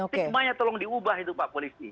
stigmanya tolong diubah itu pak polisi